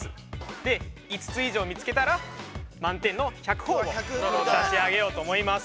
で５つ以上見つけたら満点の１００ほぉを差し上げようと思います。